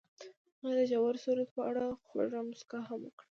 هغې د ژور سرود په اړه خوږه موسکا هم وکړه.